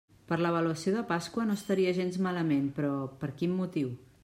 Per l'avaluació de Pasqua no estaria gens malament, però, per quin motiu?